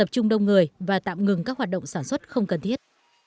chung đông người và tạm ngừng các hoạt động sản xuất không cần thiết